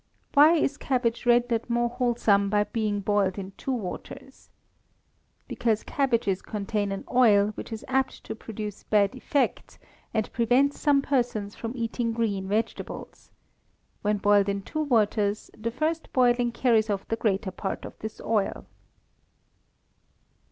Why is cabbage rendered more wholesome by being boiled in two waters? Because cabbages contain an oil, which is apt to produce bad effects, and prevents some persons from eating "green" vegetables. When boiled in two waters, the first boiling carries off the greater part of this oil.